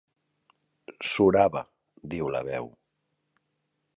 Surava, diu la veu.